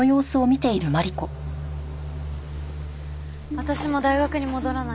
私も大学に戻らないと。